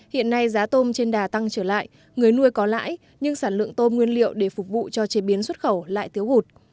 hiện nay giá tôm trên đà tăng trở lại người nuôi có lãi nhưng sản lượng tôm nguyên liệu để phục vụ cho chế biến xuất khẩu lại thiếu hụt